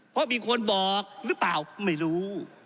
เพราะมีคนบอกหรือเปล่าไม่รู้